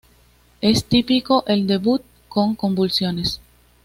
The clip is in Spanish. Es típico el debut con convulsiones.